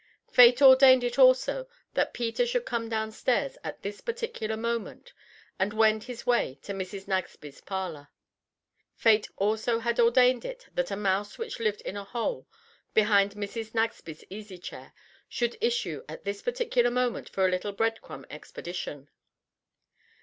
Fate ordained it also that Peter should come down stairs at this particular moment and wend his way to Mrs. Nagsby's parlor. Fate also had ordained it that a mouse which lived in a hole behind Mrs. Nagsby's easy chair should issue at this particular moment for a little bread crumb expedition.